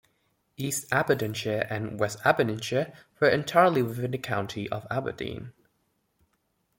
East Aberdeenshire and West Aberdeenshire were entirely within the county of Aberdeen.